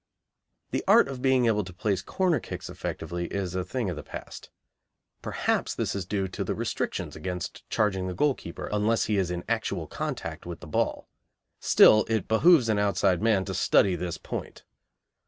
The art of being able to place corner kicks effectively is a thing of the past. Perhaps this is due to the restrictions against charging the goalkeeper unless he is in actual contact with the ball. Still, it behoves an outside man to study this point.